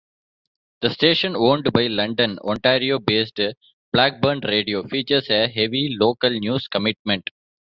The station, owned by London, Ontario-based Blackburn Radio, features a heavy local news commitment.